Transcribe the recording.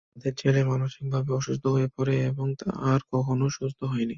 তাদের ছেলে মানসিকভাবে অসুস্থ হয়ে পড়ে এবং আর কখনো সুস্থ হয়নি।